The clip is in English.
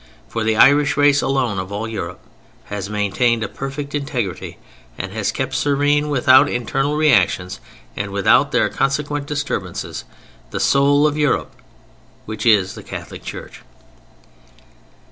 For the Irish race alone of all Europe has maintained a perfect integrity and has kept serene, without internal reactions and without their consequent disturbances, the soul of Europe which is the Catholic Church.